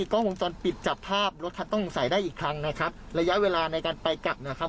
กล้องวงจรปิดจับภาพรถคันต้องสงสัยได้อีกครั้งนะครับระยะเวลาในการไปกลับนะครับ